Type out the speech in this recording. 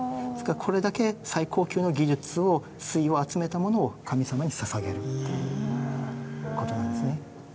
これだけ最高級の技術を粋を集めたものを神様にささげるということなんですね。